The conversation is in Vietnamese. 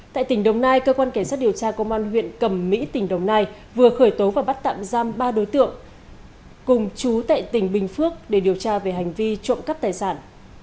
tại tỉnh đồng nai cơ quan cảnh sát điều tra công an huyện cầm mỹ tỉnh đồng nai vừa khởi tố và bắt tạm giam ba đối tượng cùng chú tại tỉnh bình phước để điều tra về hành vi trộm cắp tài sản